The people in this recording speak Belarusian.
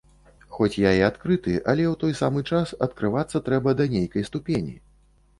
Хоць я і адкрыты, але ў той самы час адкрывацца трэба да нейкай ступені.